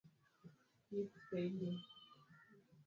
Pia kundi liliahidi ushirika na kundi la dola ya Kiislamu